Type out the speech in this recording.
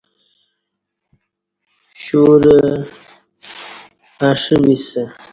شورہ اݜہ بِسہ